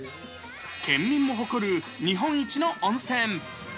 県民も誇る日本一の温泉。